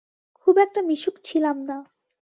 খুব একটা মিশুক ছিলাম না।